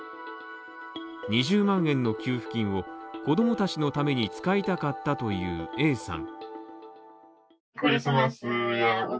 ２０万円の給付金を、子供たちのために使いたかったというＡさん。